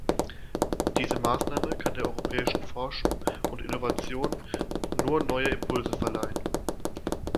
Diese Maßnahme kann der europäischen Forschung und Innovation nur neue Impulse verleihen.